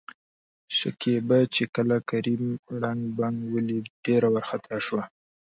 شکيبا چې کله کريم ړنګ، بنګ ولېد ډېره ورخطا شوه.